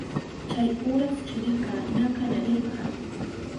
Chay uras chirika ña kallarirka.